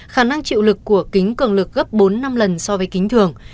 khả năng chịu lực của kính cường lực gấp bốn năm lần so với kính thường